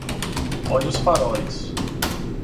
Olha os faróis!